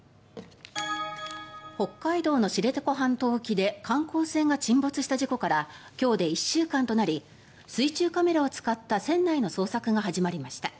北海道の知床半島沖で観光船が沈没した事故から今日で１週間となり水中カメラを使った船内の捜索が始まりました。